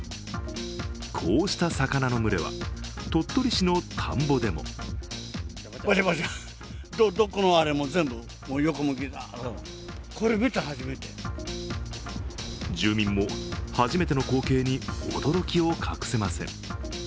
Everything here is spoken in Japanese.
こうした魚の群れは鳥取市の田んぼでも住民も初めての光景に驚きを隠せません。